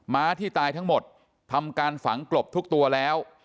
้าที่ตายทั้งหมดทำการฝังกลบทุกตัวแล้ว